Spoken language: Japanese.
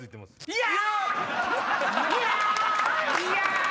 「いや！」。